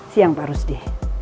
siang pak rusdi